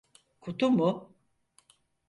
Kutu mu?